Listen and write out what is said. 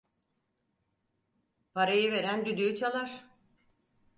Parayı veren düdüğü çalar.